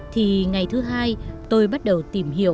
thì ngày thứ hai tôi bắt đầu tìm hiểu